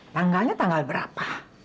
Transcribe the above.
tanggalnya tanggal berapa